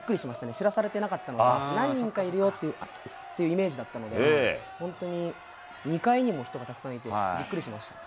知らされてなかったので、何人かいるよっていうイメージだったので、本当に２階にも人がたくさんいて、びっくりしました。